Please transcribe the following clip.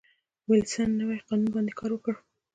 وېلسن نوي قانون باندې کار وکړ.